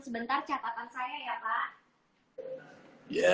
sebentar catatan saya ya pak